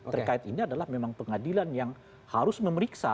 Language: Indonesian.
terkait ini adalah memang pengadilan yang harus memeriksa